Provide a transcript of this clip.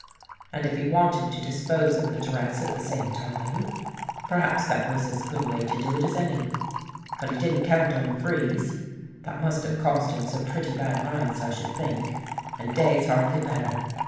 And If he wanted to dis pose of the dress at the same time, perhaps that was as good a way to do It as any. But he didn't count on the freeze. That must have caused him some pretty bad nights, I should think, and days hardly better.